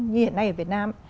như hiện nay ở việt nam